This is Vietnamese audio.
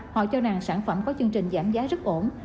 họ cho rằng sản phẩm có chương trình giảm giá rất ổn